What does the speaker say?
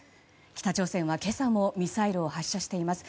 北朝鮮は今朝もミサイルを発射しています。